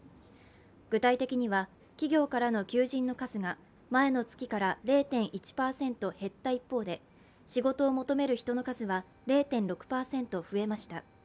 具体的には企業からの求人の数が前の月から０．１％減った一方で仕事を求める人の数は０．６％増えました。